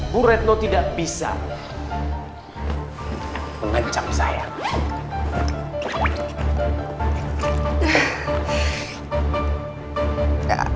bu retno tidak bisa mengancam saya